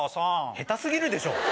下手過ぎるでしょ！